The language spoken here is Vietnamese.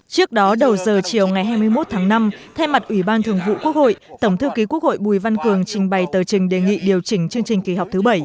trước đó đầu giờ chiều ngày hai mươi một tháng năm thay mặt ủy ban thường vụ quốc hội tổng thư ký quốc hội bùi văn cường trình bày tờ trình đề nghị điều chỉnh chương trình kỳ họp thứ bảy